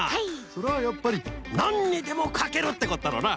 それはやっぱりなんにでもかけるってことだろうな。